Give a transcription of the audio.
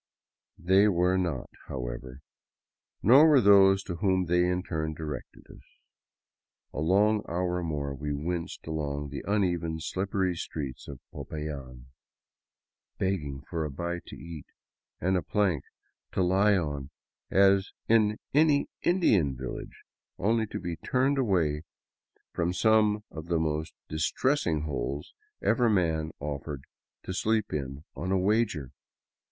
They were not, however; nor were those to whom they in turn di rected us. A long hour more we winced along the uneven, slippery streets of Popayan, begging for a bite to eat and a plank to lie on as in any Indian village, only to be turned away from some of the most dis tressing holes ever man offered to sleep in on a wager.